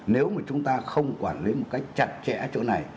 nếu mà chúng ta không quản lý một cách chặt chẽ chỗ này